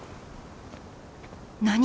何？